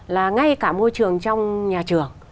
là ngay cả môi trường trong nhà trường